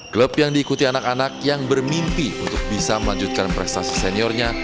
klub yang diikuti anak anak yang bermimpi untuk bisa melanjutkan prestasi seniornya